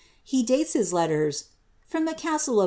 He dales his letters, " From the castle oi'